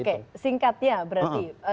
oke singkatnya berarti